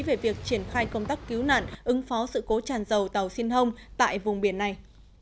về việc triển khai công tác cứu nạn ứng phó sự cố tràn dầu tàu xin hông tại vùng biển này